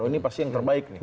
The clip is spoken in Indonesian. ini pasti yang terbaik nih